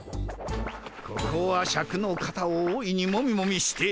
ここはシャクの肩を大いにモミモミして。